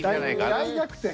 大逆転は。